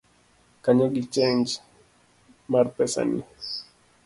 Konya gi chenj mar pesani